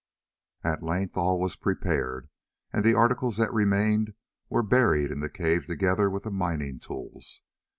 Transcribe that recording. At length all was prepared, and the articles that remained were buried in the cave together with the mining tools.